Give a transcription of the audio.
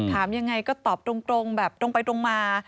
ถามยังไงก็ตอบตรงแบบตรงไปตรงมา